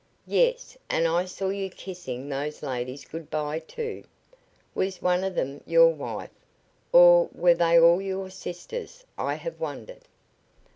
"Yes; and I saw you kissing those ladies goodby, too. Was one of them your wife, or were they all your sisters? I have wondered."